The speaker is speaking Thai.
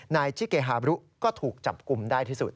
นายชิเกฮาบรุก็ถูกจับกลุ่มได้ที่สุด